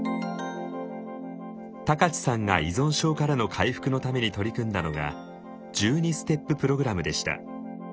高知さんが依存症からの回復のために取り組んだのが１２ステッププログラムでした。